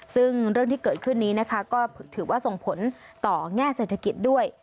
ซึ่งเรื่องที่เกิดขึ้นนี้นะคะก็ถือว่าส่งผลต่อแง่เศรษฐกิจด้วย